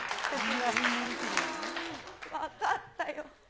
分かったよ。